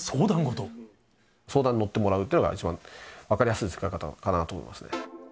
相談に乗ってもらうというのが一番分かりやすい使い方かなと思います。